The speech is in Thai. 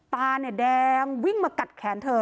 ตาเนี่ยแดงวิ่งมากัดแขนเธอ